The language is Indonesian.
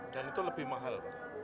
dan itu lebih mahal